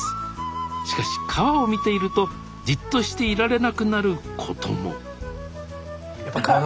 しかし川を見ているとじっとしていられなくなることもあら！